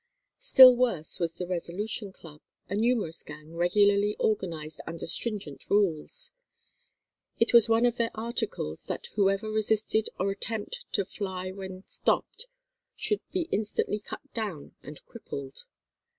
Still worse was the "Resolution Club," a numerous gang, regularly organized under stringent rules. It was one of their articles, that whoever resisted or attempt to fly when stopped should be instantly cut down and crippled.